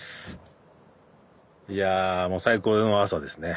いや最高の朝ですね